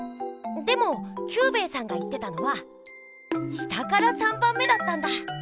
でもキュウベイさんが言ってたのはしたから３ばんめだったんだ。